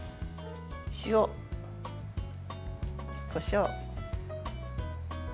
塩、こしょう。